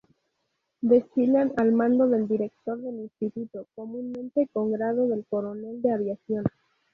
Desfilan al mando del director del instituto, comúnmente con grado de Coronel de Aviación.